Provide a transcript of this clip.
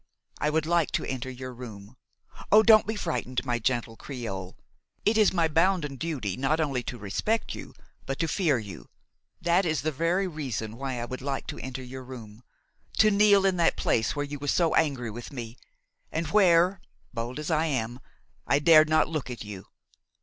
I would like to enter your room. Oh! don't be frightened, my gentle creole! It is my bounden duty not only to respect you, but to fear you; that is the very reason why I would like to enter your room, to kneel in that place where you were so angry with me, and where, bold as I am, I dared not look at you.